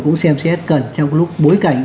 cũng xem xét cần trong lúc bối cảnh